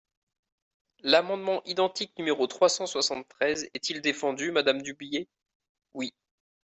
» L’amendement identique numéro trois cent soixante-treize est-il défendu, madame Dubié ? Oui.